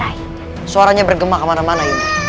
ayo suaranya bergema kemana mana